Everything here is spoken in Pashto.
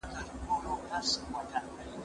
تور خلوته مخ دي تور سه، تور ویښته مي درته سپین کړل